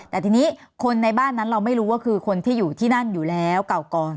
แต่ทีนี้คนในบ้านนั้นเราไม่รู้ว่าคือคนที่อยู่ที่นั่นอยู่แล้วเก่าก่อน